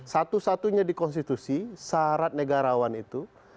satu satunya di konstitusi syarat negarawan itu